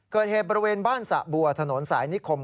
เกิดเหตุบริเวณบ้านสะบัวถนนสายนิคม